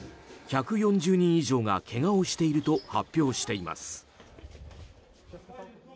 １４０人以上がけがをしていると発表しています。